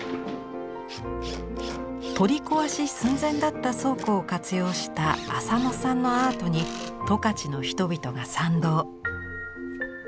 取り壊し寸前だった倉庫を活用した浅野さんのアートに十勝の人々が賛同。